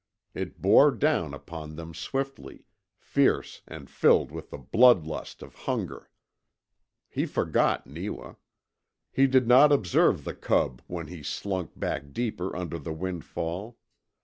It bore down upon them swiftly, fierce and filled with the blood lust of hunger. He forgot Neewa. He did not observe the cub when he slunk back deeper under the windfall.